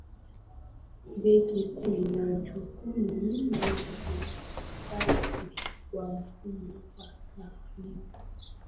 benki kuu ina jukumu la uendeshaji wa mfumo wa malipo